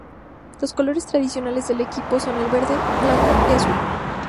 Los colores tradicionales del equipo son el verde, blanco y azul.